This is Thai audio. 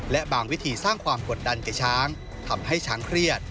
และบางวิธีสร้างความกดดันแก่ช้างทำให้ช้างเครียด